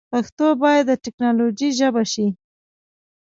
پښتو باید د ټیکنالوجۍ ژبه شي.